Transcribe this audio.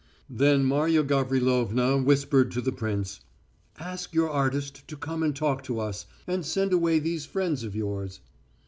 Then Marya Gavrilovna whispered to the prince, "Ask the artist to come and talk to us, and send away these friends of yours."